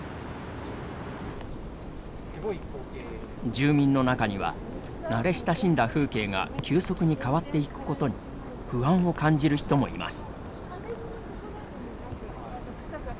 住民の中には慣れ親しんだ風景が急速に変わっていくことに不安を感じる人もいます。